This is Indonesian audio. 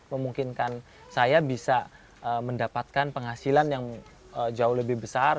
memungkinkan saya bisa mendapatkan penghasilan yang jauh lebih besar